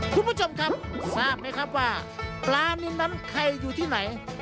คุณผู้ชมครับทราบไหมครับว่าปลานินนั้นใครอยู่ที่ไหน